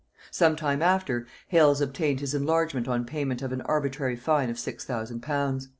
Some time after, Hales obtained his enlargement on payment of an arbitrary fine of six thousand pounds.